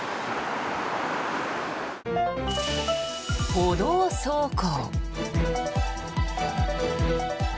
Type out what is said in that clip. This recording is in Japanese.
歩道走行。